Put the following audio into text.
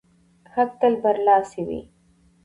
حق تل برلاسی وي.